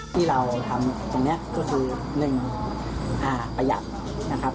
ที่เราทำตรงนี้ก็คือ๑ประหยัดนะครับ